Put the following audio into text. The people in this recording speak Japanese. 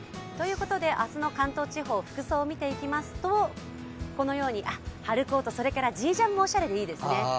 明日の関東地方、服装を見ていきますと春コート、それからＧジャンもおしゃれでいいですね。